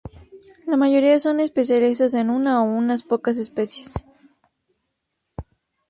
La mayoría son especialistas en una o unas pocas especies.